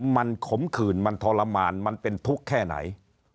มันขมขื่นมันทรมานมันเป็นทุกข์แค่ไหน